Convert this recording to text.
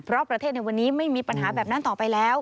เพราะประเทศในวันนี้ไม่มีปัญหาแบบนั้นต่อไปแล้ว